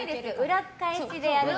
裏返しでやると。